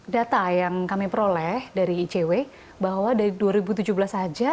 data yang kami peroleh dari icw bahwa dari dua ribu tujuh belas saja